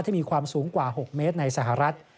มีความสูงกว่า๖เมตรในสหรัฐ